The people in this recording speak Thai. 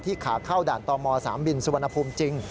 ที่ขาเข้าด่านต่อมอสามบินสุวรรณภูมิจริง